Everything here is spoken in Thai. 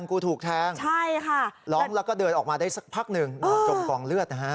กูถูกแทงใช่ค่ะร้องแล้วก็เดินออกมาได้สักพักหนึ่งนอนจมกองเลือดนะฮะ